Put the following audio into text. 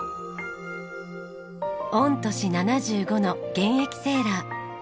御年７５の現役セーラー。